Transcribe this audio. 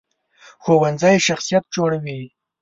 ښوونځی شخصیت جوړوي